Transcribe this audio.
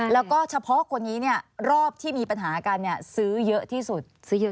และก็เฉพาะคนนี้รอบที่มีปัญหาคันซื้อเยอะที่สุด